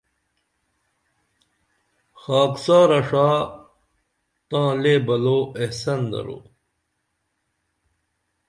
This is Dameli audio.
خاکسارہ ݜا تاں لے بلو احسن درو